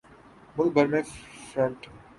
ملک بھر میں فرنٹ